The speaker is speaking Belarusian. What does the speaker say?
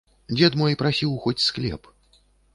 Дзед мой прасіў хоць склеп.